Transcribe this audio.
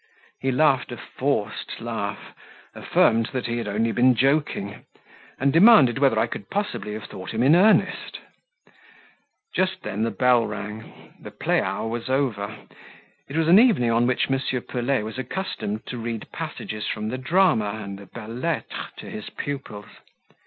He laughed a forced laugh, affirmed that he had only been joking, and demanded whether I could possibly have thought him in earnest. Just then the bell rang; the play hour was over; it was an evening on which M. Pelet was accustomed to read passages from the drama and the belles lettres to his pupils.